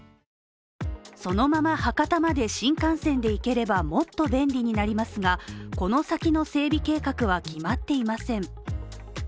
そのまま博多まで新幹線で行ければもっと便利になりますがこの先の整備計画は決まっていません。